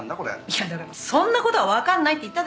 いやだからそんな事はわかんないって言ったでしょ？